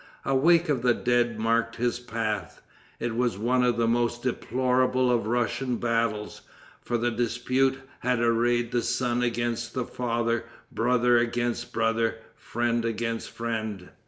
A wake of the dead marked his path. It was one of the most deplorable of Russian battles, for the dispute had arrayed the son against the father, brother against brother, friend against friend.